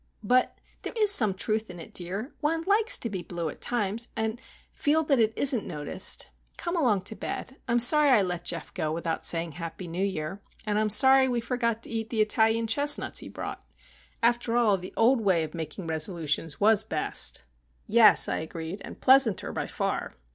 "But there is some truth in it, dear. One likes to be blue at times, and feel that it isn't noticed. Come along to bed. I'm sorry I let Geof go without saying 'Happy New Year,' and I'm sorry we forgot to eat the Italian chestnuts he brought. After all, the old way of making resolutions was best." "Yes," I agreed, "and pleasanter, by far!"